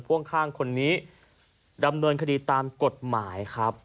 พ่วงข้างคนนี้ดำเนินคดีตามกฎหมายครับ